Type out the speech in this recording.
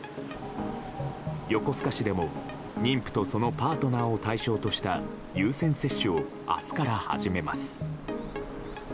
横須賀市でも妊婦とそのパートナーを対象とした優先接種を明日から始めます。